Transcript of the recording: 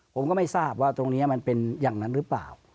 ผมก็ไม่ทราบว่าตรงนี้มันเป็นอย่างนั้นหรือเปล่า